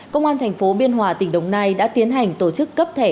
công an thành phố biên hòa tỉnh đồng nai đã tiến hành tổ chức cấp thẻ